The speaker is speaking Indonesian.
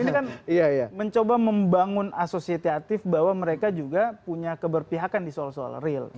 ini kan mencoba membangun asosiatif bahwa mereka juga punya keberpihakan di soal soal real